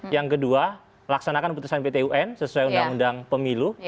yang kedua laksanakan putusan ptun sesuai undang undang pemilu